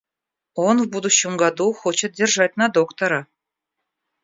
Он в будущем году хочет держать на доктора.